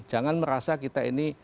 jangan merasa kita ini